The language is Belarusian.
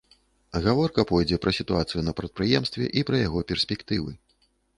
Гаворка пойдзе пра сітуацыю на прадпрыемстве і пра яго перспектывы.